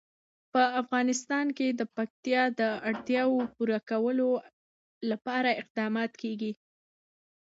په افغانستان کې د پکتیکا د اړتیاوو پوره کولو لپاره اقدامات کېږي.